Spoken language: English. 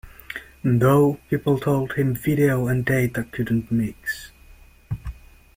Though, people told him video and data couldn't mix.